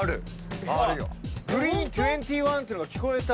グリーン２１っていうのが聞こえた。